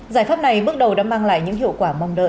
giải pháp này bước đầu đã mang lại những hiệu quả mong đợi